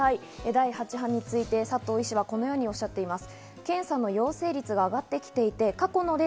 第８波について佐藤医師はこのようにおっしゃっています。